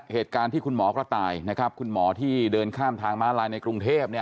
เหตุการณ์ที่คุณหมอกระต่ายนะครับคุณหมอที่เดินข้ามทางม้าลายในกรุงเทพเนี่ย